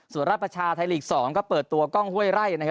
ส่วนราชประชาไทยลีก๒ก็เปิดตัวกล้องห้วยไร่นะครับ